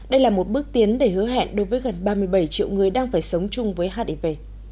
đây là một bước tiến để hứa hẹn đối với gần ba mươi bảy triệu người đang phải sống chung với hiv